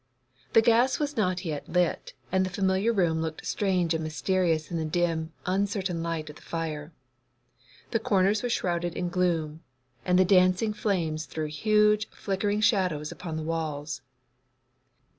The gas was not yet lit, and the familiar room looked strange and mysterious in the dim, uncertain light of the fire. The corners were shrouded in gloom, and the dancing flames threw huge, flickering shadows upon the walls.